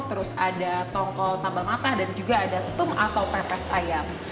terus ada tongkol sambal matah dan juga ada tum atau pepes ayam